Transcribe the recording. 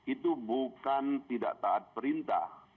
itu bukan tidak taat perintah